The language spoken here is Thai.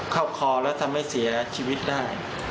คอแล้วทำให้เสียชีวิตได้